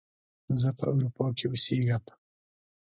زه په اروپا کې اوسیږم